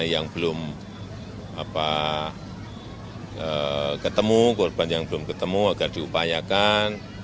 yang belum ketemu korban yang belum ketemu agar diupayakan